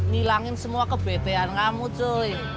nilangin semua kebetean kamu cuy